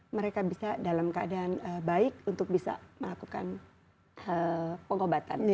mereka bisa dalam keadaan baik untuk bisa melakukan pengobatan